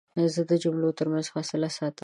زه د جملو ترمنځ فاصله ساتم.